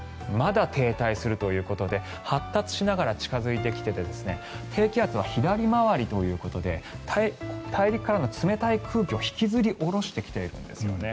まだ停滞するということで発達しながら近付いてきて低気圧は左回りということで大陸からの冷たい空気を引きずり下ろしているんです。